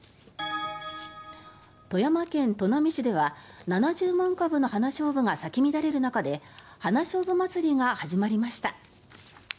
富山県砺波市では７０万株のハナショウブが咲き乱れる中で花しょうぶ祭りが始まりました。